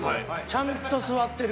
ちゃんと座ってる。